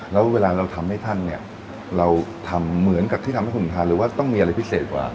แล้วเวลาเราทำให้ท่านเนี่ยเราทำเหมือนกับที่ทำให้ผมทานเลยว่าต้องมีอะไรพิเศษกว่า